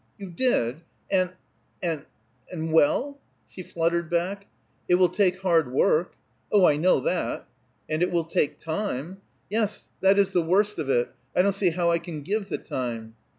"You did! And and well?" she fluttered back. "It will take hard work." "Oh, I know that!" "And it will take time." "Yes, that is the worst of it. I don't see how I can give the time."